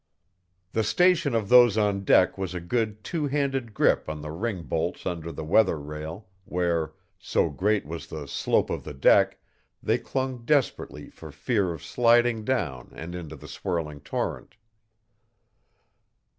The station of those on deck was a good two handed grip on the ringbolts under the weather rail, where, so great was the slope of the deck, they clung desperately for fear of sliding down and into the swirling torrent.